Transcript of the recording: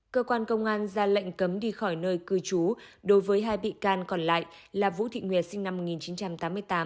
cơ quan công an ra lệnh cấm đi khỏi nơi cư trú đối với hai bị can còn lại là vũ thị nguyệt sinh năm một nghìn chín trăm tám mươi tám